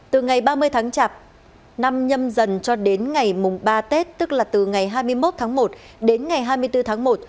từ ngày ba mươi tháng chạp năm nhâm dần cho đến ngày mùng ba tết tức là từ ngày hai mươi một tháng một đến ngày hai mươi bốn tháng một